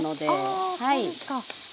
あそうですか。